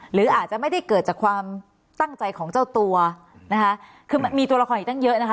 หรืออาจจะไม่ได้เกิดจากความตั้งใจของเจ้าตัวนะคะคือมันมีตัวละครอีกตั้งเยอะนะคะ